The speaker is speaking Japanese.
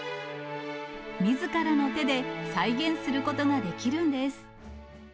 みずからの手で再現することができるんです。